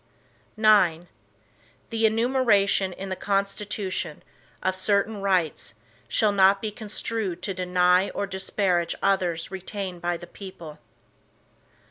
IX The enumeration in the Constitution, of certain rights, shall not be construed to deny or disparage others retained by the people.